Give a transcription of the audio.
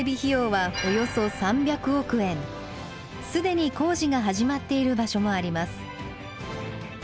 既に工事が始まっている場所もあります。